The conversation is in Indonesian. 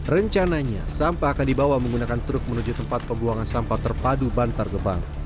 rencananya sampah akan dibawa menggunakan truk menuju tempat pembuangan sampah terpadu bantar gebang